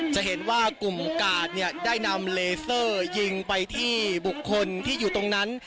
จะเห็นว่ากลุ่มกาดเนี่ยได้นำเลเซอร์ยิงไปที่บุคคลที่อยู่ตรงนั้น